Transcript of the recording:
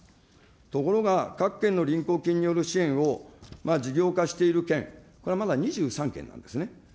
ところが、各県の金による支援を事業化している県、これまだ２３県なんですね。